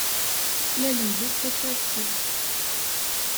La lemmdeɣ tafarsit.